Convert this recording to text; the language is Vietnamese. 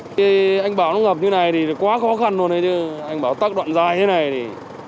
khi anh bảo nó ngập như này thì quá khó khăn luôn anh bảo tắt đoạn dài như này thì